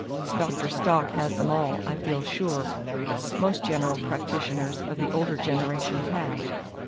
Dr. Stock has them all, I feel sure: most general practitioners of the older generation have.